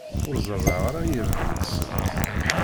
Ur zerreɛ ara irden-nsent.